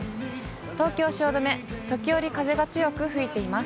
東京・汐留、時折、風が強く吹いています。